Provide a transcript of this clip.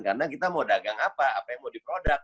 karena kita mau dagang apa apa yang mau diproduk